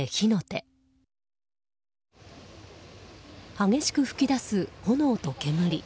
激しく噴き出す炎と煙。